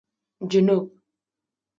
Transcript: جنوب